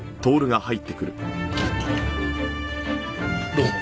どうも。